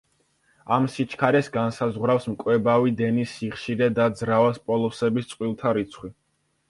ამ სიჩქარეს განსაზღვრავს მკვებავი დენის სიხშირე და ძრავას პოლუსების წყვილთა რიცხვი.